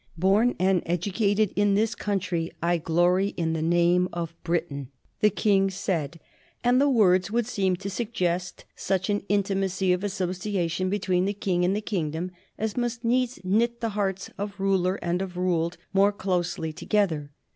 "Born and educated in this country, I glory in the name of Briton," the King said; and the words would seem to suggest such an intimacy of association between the King and the kingdom as must needs knit the hearts of ruler and of ruled more closely together.